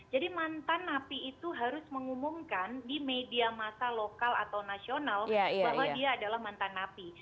jadi mantan api itu harus mengumumkan di media masa lokal atau nasional bahwa dia adalah mantan api